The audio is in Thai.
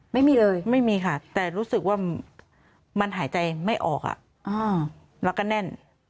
ไม่มีเลยไม่มีค่ะแต่รู้สึกว่ามันหายใจไม่ออกแล้วก็แน่น